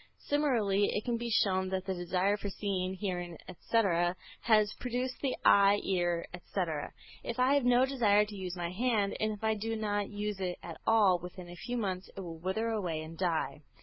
Similarly it can be shown that the desire for seeing, hearing, etc., has produced the eye, ear, etc. If I have no desire to use my hand, and if I do not use it at all, within a few months it will wither away and die.